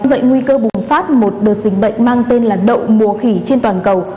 vậy nguy cơ bùng phát một đợt dịch bệnh mang tên là đậu mùa khỉ trên toàn cầu